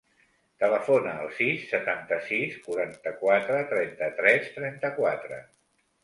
Telefona al sis, setanta-sis, quaranta-quatre, trenta-tres, trenta-quatre.